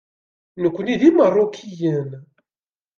Nekkni d Imeṛṛukiyen.